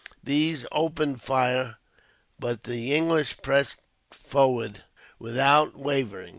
These opened fire, but the English pressed forward without wavering.